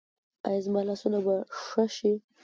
ایا زما لاسونه به ښه شي؟